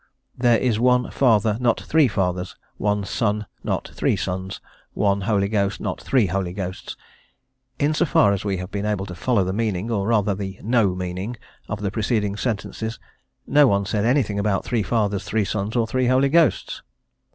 "there is one Father, not three Fathers, one Son, not three Sons, one Holy Ghost, not three Holy Ghosts." In so far as we have been able to follow the meaning, or rather the no meaning, of the preceding sentences, no one said anything about three Fathers, three Sons, or three Holy Ghosts.